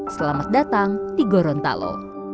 selamat datang di gorontalo